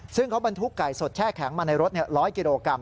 ซึ่งเขาบรรทุกไก่สดแช่แข็งมาในรถ๑๐๐กิโลกรัม